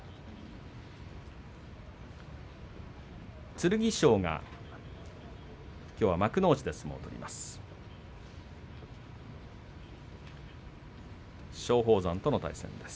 剣翔がきょうは幕内で相撲を取ります。